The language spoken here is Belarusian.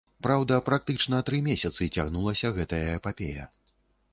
Праўда, практычна тры месяцы цягнулася гэтая эпапея.